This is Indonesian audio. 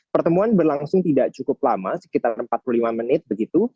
pertemuan berlangsung tidak cukup lama sekitar empat puluh lima menit begitu